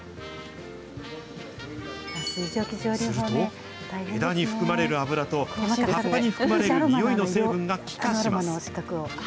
すると、枝に含まれる油と、葉っぱに含まれるにおいの成分が気化します。